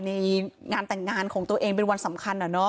ในงานแต่งงานของตัวเองเป็นวันสำคัญ